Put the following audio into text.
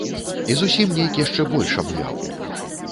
І зусім нейк яшчэ больш абвяў.